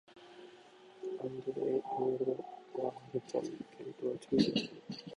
アンドル＝エ＝ロワール県の県都はトゥールである